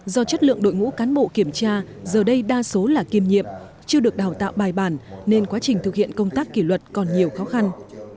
do chất lượng đội ngũ cán bộ kiểm tra giờ đây đa số là kiêm nhiệm chưa được đào tạo bài bản nên quá trình thực hiện công tác kỷ luật còn nhiều khó khăn